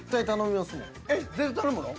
えっ絶対頼むの？